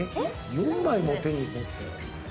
⁉４枚も手に持ったよ。